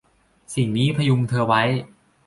สิ่งนี้พยุงเธอไว้